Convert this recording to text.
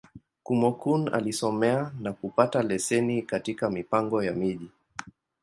Kúmókụn alisomea, na kupata leseni katika Mipango ya Miji.